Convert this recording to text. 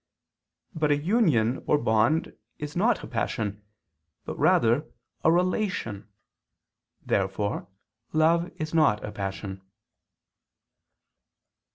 But a union or bond is not a passion, but rather a relation. Therefore love is not a passion.